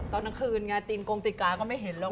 ตอนนักคืนไงตีนกงติกาก็ไม่เห็นแล้ว